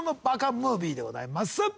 ムービーでございます。